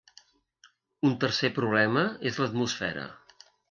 Un tercer problema és l'atmosfera.